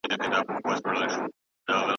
کرۍ شپه یې په مستۍ، نارو سبا کړه